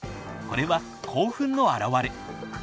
これは興奮の表れ。